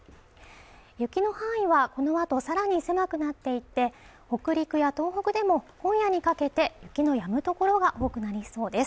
雪の範囲はこのあとさらに狭くなっていって北陸や東北でも今夜にかけて雪のやむ所が多くなりそうです